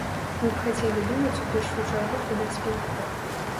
Мы б хацелі думаць у першую чаргу пра бяспеку.